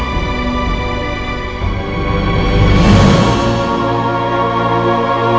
kenapa sudah terjadinya